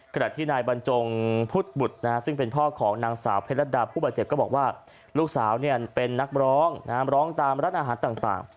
ขณะที่นายบรรจงพุทธบุตรซึ่งเป็นพ่อของนางสาวเพชรดาผู้บาดเจ็บก็บอกว่าลูกสาวเป็นนักร้องร้องตามร้านอาหารต่าง